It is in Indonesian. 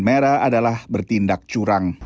mera adalah bertindak curang